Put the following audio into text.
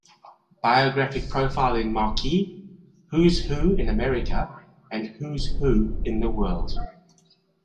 Biographic profile in Marquis, Who's Who in America and Who's Who in the World.